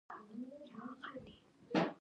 هغې وویل: ناشته به په ګډه یوځای کوو.